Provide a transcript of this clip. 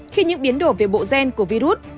khi những biến đổi về bộ gen của virus